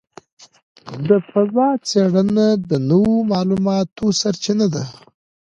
د فضاء څېړنه د نوو معلوماتو سرچینه ده.